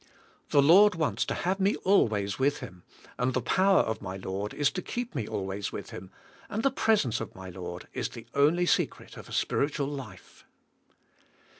The Lord wants to have me always with Him, and the power of my Lord is to keep me always with Him, and the presence of my Lord is the only secret of a spiritual life."